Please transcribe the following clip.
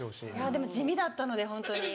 でも地味だったのでホントに。